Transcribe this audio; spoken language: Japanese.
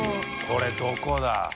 これどこだ？